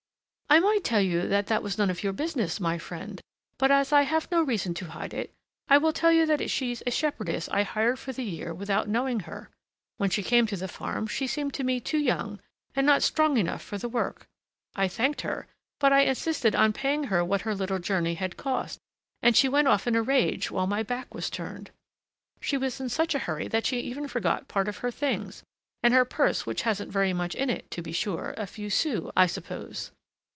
"I might tell you that that was none of your business, my friend, but as I have no reason to hide it, I will tell you that she's a shepherdess I hired for the year without knowing her. When she came to the farm, she seemed to me too young and not strong enough for the work. I thanked her, but I insisted on paying her what her little journey had cost; and she went off in a rage while my back was turned. She was in such a hurry that she even forgot part of her things and her purse, which hasn't very much in it, to be sure; a few sous, I suppose!